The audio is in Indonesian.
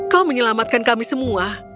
kau menyelamatkan kami semua